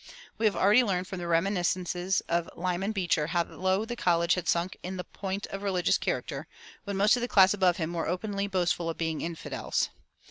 We have already learned from the reminiscences of Lyman Beecher how low the college had sunk in point of religious character, when most of the class above him were openly boastful of being infidels.